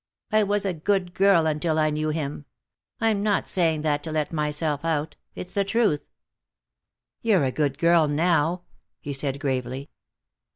"I was a good girl until I knew him. I'm not saying that to let myself out. It's the truth." "You're a good girl now," he said gravely.